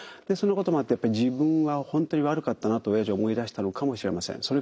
そのこともあって自分は本当に悪かったなとおやじは思いだしたのかもしれません。